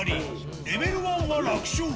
レベル１は楽勝。